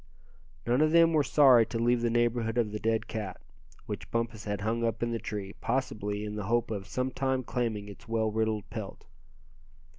None of them were sorry to leave the neighborhood of the dead cat, which Bumpus had hung up in the tree, possibly in the hope of sometime claiming its well riddled pelt.